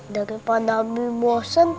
daripada abi bosan